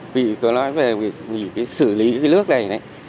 vì có nói về những cái xử lý cái nước này này